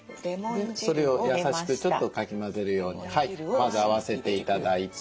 それを優しくちょっとかき混ぜるようにまず合わせて頂いて。